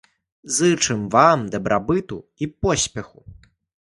Зычым вам дабрабыту і поспеху!